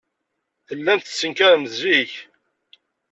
Tellamt tettenkaremt zik.